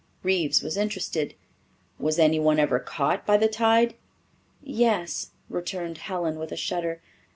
Reeves was interested. "Was anyone ever caught by the tide?" "Yes," returned Helen, with a shudder.